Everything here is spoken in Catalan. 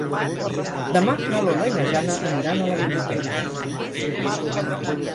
Demà na Lola i na Jana aniran a la biblioteca.